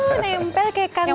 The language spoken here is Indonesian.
oh nempel kayak kanguru